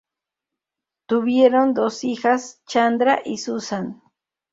Tuvieron dos hijas, Chandra y Suzanne.